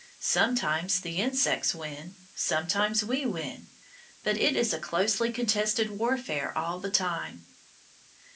Sometimes the insects win, sometimes we win, but it is a closely contested warfare all the time.